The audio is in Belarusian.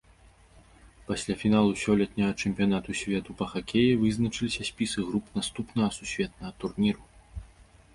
Пасля фіналу сёлетняга чэмпіянату свету па хакеі вызначыліся спісы груп наступнага сусветнага турніру.